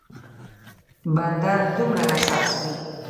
بنده دومره حساس وي.